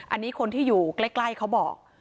อันนี้คนที่อยู่ใกล้เขาบอก